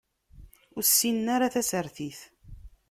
Ur ssinen ara tasertit.